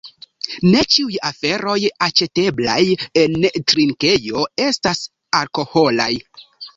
Ne ĉiuj aferoj aĉeteblaj en drinkejo estas alkoholaj: